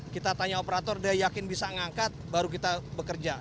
kita tanya operator dia yakin bisa ngangkat baru kita bekerja